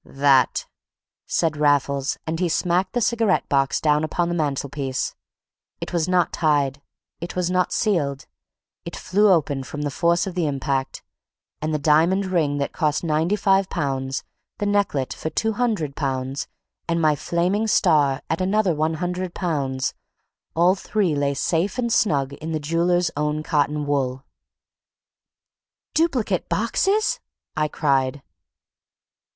"That," said Raffles, and he smacked the cigarette box down upon the mantelpiece. It was not tied. It was not sealed. It flew open from the force of the impact. And the diamond ring that cost £95, the necklet for £200, and my flaming star at another £100, all three lay safe and snug in the jeweller's own cotton wool! "Duplicate boxes!" I cried.